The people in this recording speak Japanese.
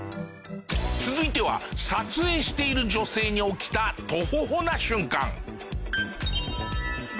続いては撮影している女性に起きたトホホな瞬間。